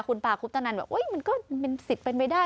คุณตาคุปตนันบอกมันก็เป็นสิทธิ์เป็นไปได้